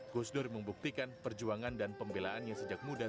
gusdur membuktikan perjuangan dan pembelaannya sejak muda